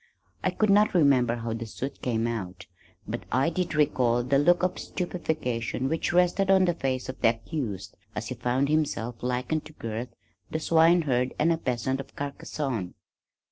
I could not remember how the suit came out, but I did recall the look of stupefaction which rested on the face of the accused as he found himself likened to Gurth the swine herd and a peasant of Carcassone.